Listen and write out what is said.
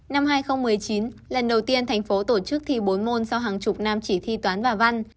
năm hai nghìn một mươi chín lần đầu tiên thành phố tổ chức thi bốn môn sau hàng chục năm chỉ thi toán và văn